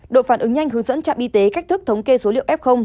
đội phản ứng nhanh hướng dẫn trạm y tế cách thức thống kê số liệu f